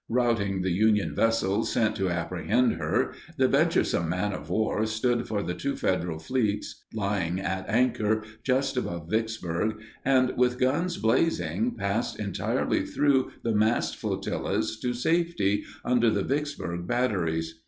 Routing the Union vessels sent to apprehend her, the venturesome man of war stood for the two Federal fleets lying at anchor just above Vicksburg and, with guns blazing, passed entirely through the massed flotillas to safety under the Vicksburg batteries.